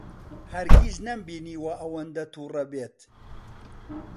هەرگیز نەمبینیوە ئەوەندە تووڕە بێت.